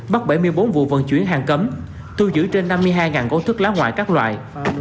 bắt bảy mươi bốn vụ vận chuyển hàng cấm thu giữ trên năm mươi hai gói thuốc lá ngoại các loại